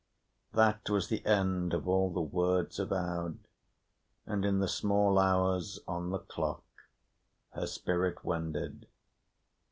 That was the end of all the words of Aud; and in the small hours on the clock her spirit wended.